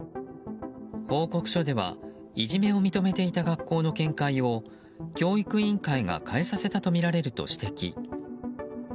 報告書では、いじめを認めていた学校の見解を教育委員会が変えさせたとみられると指摘。